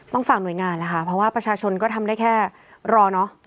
ฝากหน่วยงานแหละค่ะเพราะว่าประชาชนก็ทำได้แค่รอเนอะ